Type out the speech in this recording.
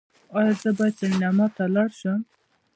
ایا زه باید سینما ته لاړ شم؟